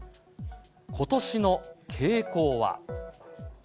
ことしの傾向は。